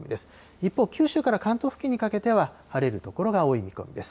一方、九州から関東付近にかけては、晴れる所が多い見込みです。